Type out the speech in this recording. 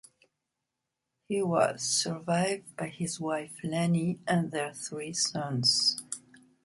He was survived by his wife, Lani, and their three sons.